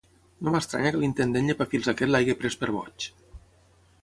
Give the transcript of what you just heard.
No m'estranya que l'intendent llepafils aquest l'hagi pres per boig.